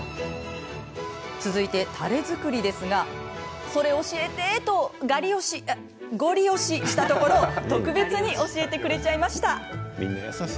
続いて、たれ作りですがそれ教えて！とガリ押しいや、ごり押ししたところ特別に教えてくれちゃいました。